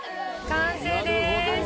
完成です。